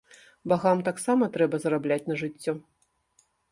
Багам таксама трэба зарабляць на жыццё.